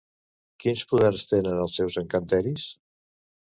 Quins poders tenen els seus encanteris?